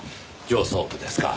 上層部ですか？